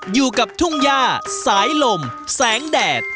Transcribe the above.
อยู่กับทุ่งย่าสายลมแสงแดด